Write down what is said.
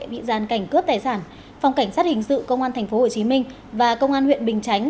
bị gian cảnh cướp tài sản phòng cảnh sát hình sự công an tp hcm và công an huyện bình chánh